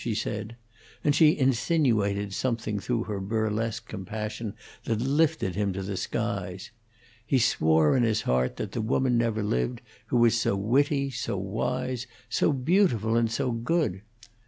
she said, and she insinuated something through her burlesque compassion that lifted him to the skies. He swore in his heart that the woman never lived who was so witty, so wise, so beautiful, and so good.